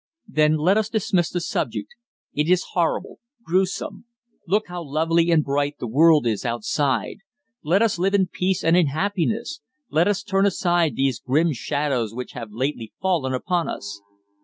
"Then let us dismiss the subject. It is horrible, gruesome. Look how lovely and bright the world is outside. Let us live in peace and in happiness. Let us turn aside these grim shadows which have lately fallen upon us."